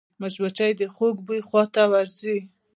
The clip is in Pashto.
مچمچۍ د خوږ بوی خواته ورځي